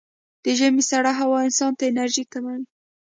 د ژمي سړه هوا انسان ته انرژي کموي.